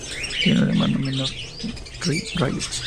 Tiene un hermano menor, Ryder.